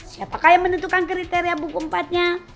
siapakah yang menentukan kriteria buku empatnya